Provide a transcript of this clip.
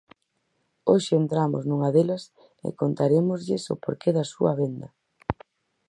Hoxe entramos nunha delas e contarémoslles o por que das súa venda.